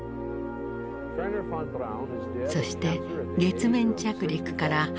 そして月面着陸から８年後。